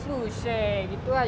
susi gitu lah